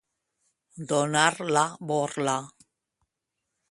Donar la borla.